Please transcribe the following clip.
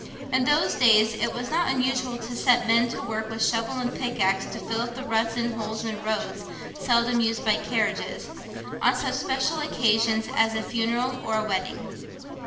In those days it was not unusual to set men to work with shovel and pickaxe to fill up ruts and holes in roads seldom used by carriages, on such special occasions as a funeral or a wedding.